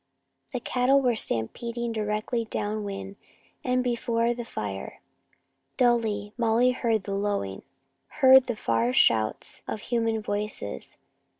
The cattle were stampeding directly down wind and before the fire. Dully, Molly heard the lowing, heard the far shouts of human voices.